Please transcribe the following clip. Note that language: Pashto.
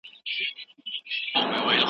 د سوداګرو په جنګونو واوښتمه